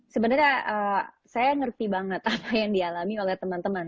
sebenarnya saya ngerti banget apa yang dialami oleh teman teman